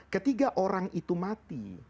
ketiga orang itu mati